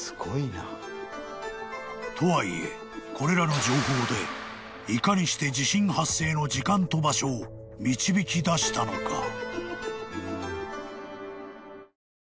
［とはいえこれらの情報でいかにして地震発生の時間と場所を導き出したのか？］